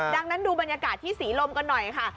ดังนั้นดูบรรยากาศที่ศรีลมกันหน่อยค่ะ